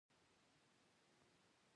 بل هېواد یو نیم میلیون افغانۍ صادرات وکړي